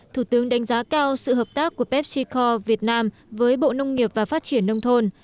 thủ tướng đánh giá cao sự hợp tác của pepsico việt nam với bộ nông nghiệp và phát triển nông thôn